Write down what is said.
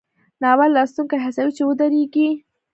ناول لوستونکی هڅوي چې ودریږي.